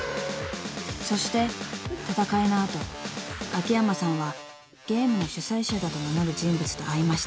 ［そして戦いの後秋山さんはゲームの主催者だと名乗る人物と会いました］